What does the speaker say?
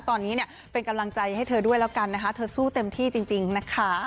ตอนนี้เนี่ยเป็นกำลังใจให้เธอด้วยแล้วกันนะคะเธอสู้เต็มที่จริงนะคะ